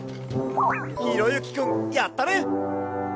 ひろゆきくんやったね！